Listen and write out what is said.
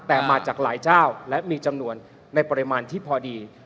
แต่มาจากหลายเจ้าและมีจำนวนในปริมาณที่พอดี